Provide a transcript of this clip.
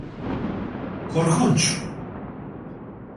Korkunç!